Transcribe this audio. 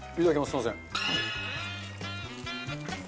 すみません。